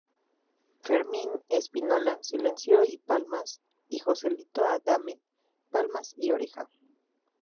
Fermín Spínola, silencio y palmas y Joselito Adame, palmas y oreja.